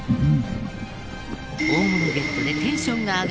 大物ゲットでテンションが上がるナス。